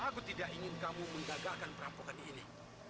aku tidak ingin kamu menggagalkan perampokan ini